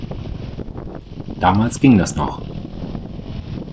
Damals ging das noch.